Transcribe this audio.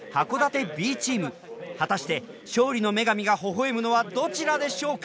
果たして勝利の女神がほほ笑むのはどちらでしょうか？